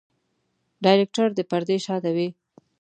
ډايرکټر د پردې شاته وي.